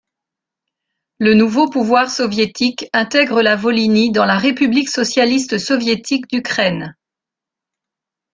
Le nouveau pouvoir soviétique intègre la Volhynie dans la république socialiste soviétique d'Ukraine.